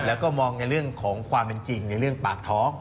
แล้วก็มองในเรื่องของความเป็นจริงในเรื่องปากท้อง